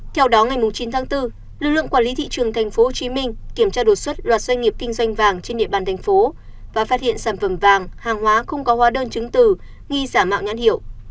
theo đó ngày chín tháng bốn lực lượng quản lý thị trường tp hcm kiểm tra đột xuất loạt doanh nghiệp kinh doanh vàng trên địa bàn thành phố và phát hiện sản phẩm vàng hàng hóa không có hóa đơn chứng tử nghi giả mạo nhãn hiệu